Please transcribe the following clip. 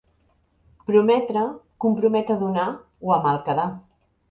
Prometre compromet a donar o a mal quedar.